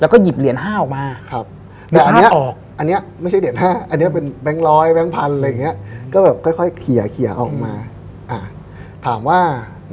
ค่อยก็เอามือจริงแล้วหยิบเหรียญ๕ออกมา